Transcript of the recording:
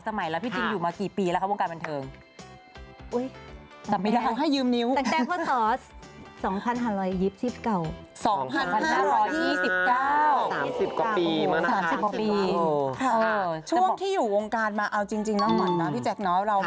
ใช่แตงโมแตงโมแตงโมเออ